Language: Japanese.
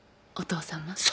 お父さま